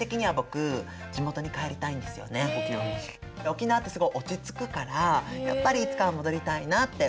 沖縄ってすごい落ち着くからやっぱりいつかは戻りたいなって